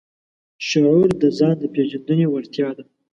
شعور د ځان د پېژندنې وړتیا ده.